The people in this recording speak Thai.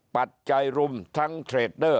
ปัจจัยรุมทั้งเทรดเดอร์